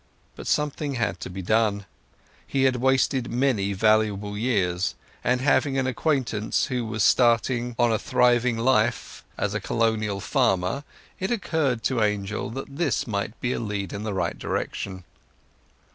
But something had to be done; he had wasted many valuable years; and having an acquaintance who was starting on a thriving life as a Colonial farmer, it occurred to Angel that this might be a lead in the right direction.